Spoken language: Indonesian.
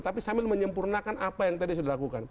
tapi sambil menyempurnakan apa yang tadi sudah dilakukan